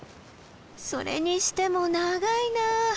それにしても長いなぁ！